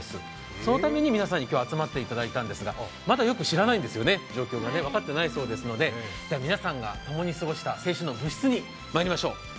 そのために皆さんに今日、集まっていただいたんですがまだよく知らないんですよね、状況が分かっていないそうですので皆さんがともに過ごした青春の部室にまいりましょう。